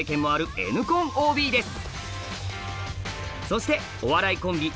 そしてお笑いコンビ